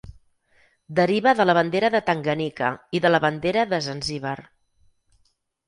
Deriva de la bandera de Tanganyika i de la bandera de Zanzíbar.